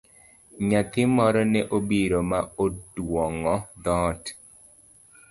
Nyathi moro ne obiro ma oduong'o dhoot.